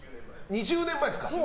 ２０年前ですか。